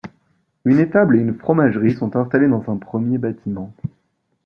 Une étable et une fromagerie sont installées dans un premier bâtiment.